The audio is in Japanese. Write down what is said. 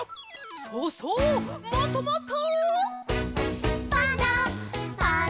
そうそうもっともっと！